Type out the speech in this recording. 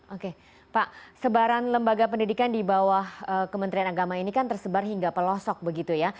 oke pak sebaran lembaga pendidikan di bawah kementerian agama ini kan tersebar hingga pelosok begitu ya